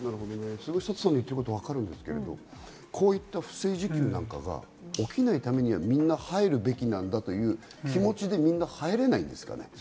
サトさんの言ってること、わかるんですけどこういった不正受給なんかが起きないためにはみんな入るべきなんだという気持ちで、みんな入れないんですかね。